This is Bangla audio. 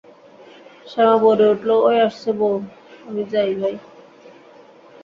শ্যামা বলে উঠল, ঐ আসছে বউ, আমি যাই ভাই।